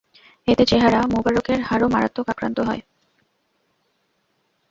এতে চেহারা মুবারকের হাড়ও মারাত্মক আক্রান্ত হয়।